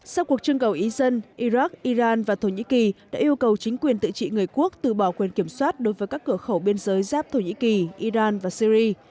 sau cuộc trưng cầu ý dân iraq iran và thổ nhĩ kỳ đã yêu cầu chính quyền tự trị người quốc từ bỏ quyền kiểm soát đối với các cửa khẩu biên giới giáp thổ nhĩ kỳ iran và syri